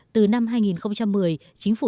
từ năm hai nghìn một mươi chính phủ